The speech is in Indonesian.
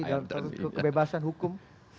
dalam kebebasan hukum